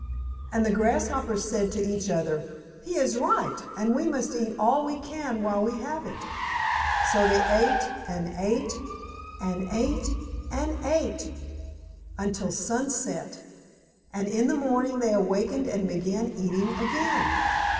And the Grasshoppers said to each other: "He is right, and we must eat all we can while we have it." So they ate, and ate, and ate, and ate, until sunset, and in the morning they awakened and began eating again.